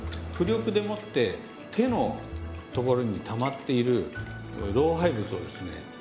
浮力でもって手のところにたまっている老廃物をですね